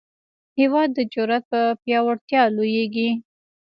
هېواد د جرئت په پیاوړتیا لویېږي.